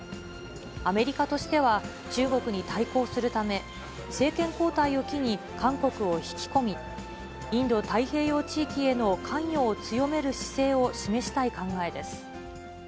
アメリカとしては、中国に対抗するため、政権交代を機に、韓国を引き込み、インド太平洋地域への関与を強める姿勢を示したい考えです。